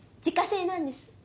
自家製なんです！